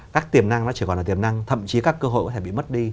các tiềm năng nó chỉ còn là tiềm năng thậm chí các cơ hội có thể bị mất đi